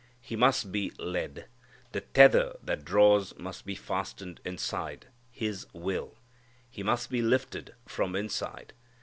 He must be led. The tether that draws must be fastened inside, his will. He must be lifted from inside.